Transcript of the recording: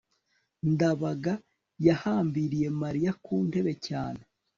ndabaga yahambiriye mariya ku ntebe cyane